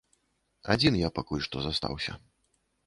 Адзін я пакуль што застаўся.